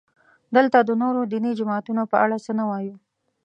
دلته د نورو دیني جماعتونو په اړه څه نه وایو.